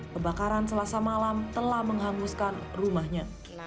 kebakaran selasa malam telah menghanguskan rumahnya